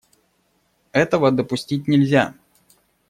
Этого допустить нельзя.